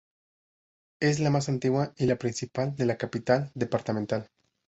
Es la más antigua y la principal de la capital departamental.